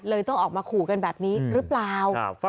ต้องออกมาขู่กันแบบนี้หรือเปล่า